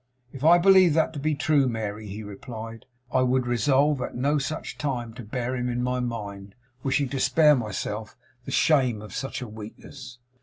'If I believed that to be true, Mary,' he replied, 'I would resolve at no such time to bear him in my mind; wishing to spare myself the shame of such a weakness.